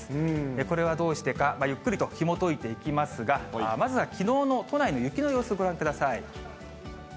これはどうしてか、ゆっくりとひもといていきますが、まずはきのうの都内の雪の様子、ご覧ください。